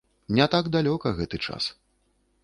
Не так далёка гэты час.